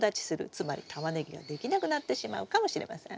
つまりタマネギができなくなってしまうかもしれません。